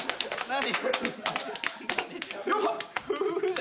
何？